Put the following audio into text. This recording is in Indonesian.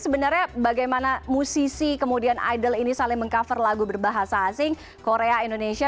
sebenarnya bagaimana musisi kemudian idol ini saling meng cover lagu berbahasa asing korea indonesia